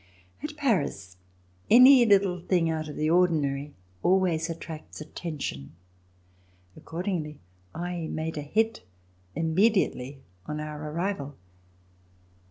At Paris any little thing out of the ordinary always attracts at tention. Accordingly, I made a hit, Immediately on our arrival.